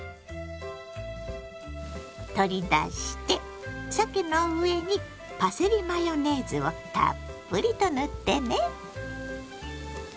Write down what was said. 取り出してさけの上にパセリマヨネーズをたっぷりと塗ってね。